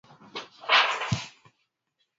Kitabu cha misamiati.